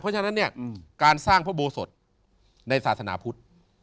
เพราะฉะนั้นเนี่ยการสร้างพระโบสถในศาสนาพุทธ